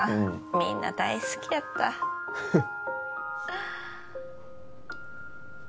みんな大好きやったフフッ